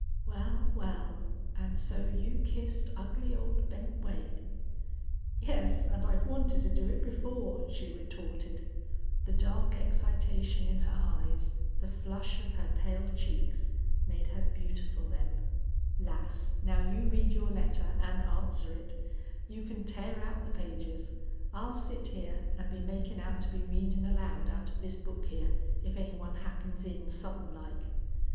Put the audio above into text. "Well, well, an' so you kissed ugly old Bent Wade?" "Yes, and I've wanted to do it before," she retorted. The dark excitation in her eyes, the flush of her pale cheeks, made her beautiful then. "Lass, now you read your letter an' answer it. You can tear out the pages. I'll sit here an' be makin' out to be readin' aloud out of this book here, if any one happens in sudden like!"